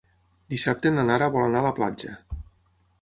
Dissabte na Nara vol anar a la platja.